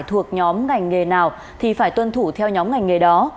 thuộc nhóm ngành nghề nào thì phải tuân thủ theo nhóm ngành nghề đó